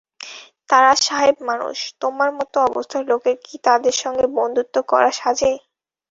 তারা সাহেব মানুষ, তোমার মতো অবস্থার লোকের কি তাদের সঙ্গে বন্ধুত্ব করা সাজে।